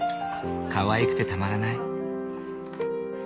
かわいくてたまらない。